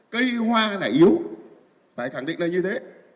cây hoa này yếu phải khẳng định là như thế